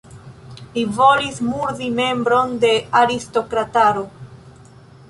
Li volis murdi membron de aristokrataro.